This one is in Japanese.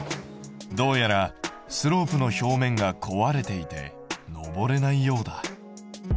どうやらスロープの表面が壊れていて上れないようだ。